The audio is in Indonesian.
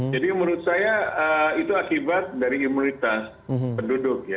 jadi menurut saya itu akibat dari imunitas penduduk